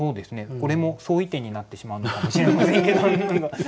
これも相違点になってしまうのかもしれませんけど。